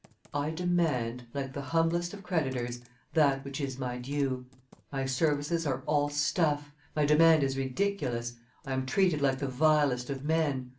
... I demand, like the humblest of creditors, that which is my due; my services are all stuff, my demand is ridiculous, I am treated like the vilest of men.